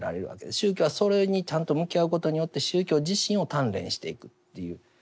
宗教はそれにちゃんと向き合うことによって宗教自身を鍛錬していくというところがあります。